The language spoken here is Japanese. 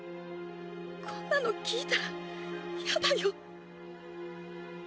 こんなの聞いたらやだよ！